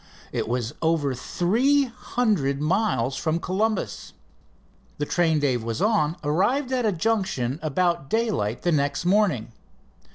It was over three hundred miles from Columbus. The train Dave was on arrived at a junction about daylight the next morning.